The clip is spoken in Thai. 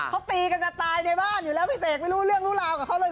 เขาตีกันจะตายในบ้านอยู่แล้วพี่เสกไม่รู้เรื่องรู้ราวกับเขาเลย